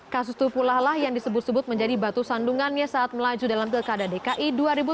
kasus itu pula lah yang disebut sebut menjadi batu sandungannya saat melaju dalam pilkada dki dua ribu tujuh belas